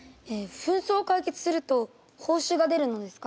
紛争を解決すると報酬が出るのですか？